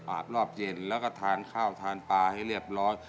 รอบเย็นแล้วก็ทานข้าวทานปลาให้เรียบร้อย